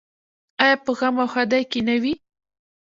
آیا په غم او ښادۍ کې نه وي؟